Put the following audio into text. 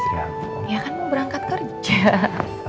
ya kan mau berangkat kerja